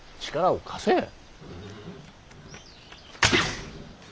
力を貸せ。